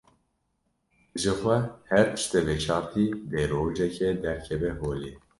Jixwe her tiştê veşartî dê rojekê derkeve holê.